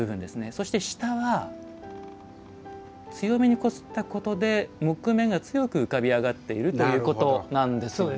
そして下は強めにこすったことで木目が強く浮かび上がっているということなんですよね。